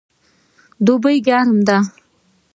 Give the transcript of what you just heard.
دوبی ګرم دی